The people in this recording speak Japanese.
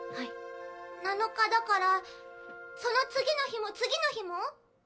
７日だからその次の日も次の日も？